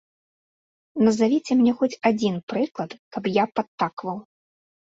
Назавіце мне хоць адзін прыклад, каб я падтакваў.